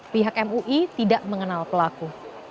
pihak mui tidak mengenal pelaku